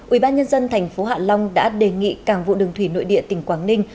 ubnd tp hạ long đã đề nghị cảng vụ đường thủy nội địa tỉnh quảng ninh